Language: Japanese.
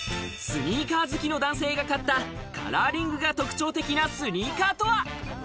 スニーカー好きの男性が買ったカラーリングが特徴的なスニーカーとは？